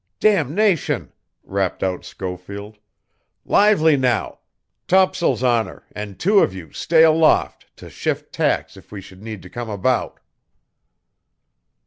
"Damnation!" rapped out Schofield. "Lively now! Tops'ls on her, and two of you stay aloft to shift tacks if we should need to come about."